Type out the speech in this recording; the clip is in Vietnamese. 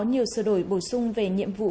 nhiều sửa đổi bổ sung về nhiệm vụ